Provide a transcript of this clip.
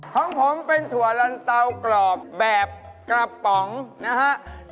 ของผมเป็นถั่วลันเตากรอบแบบกระป๋องนะฮะ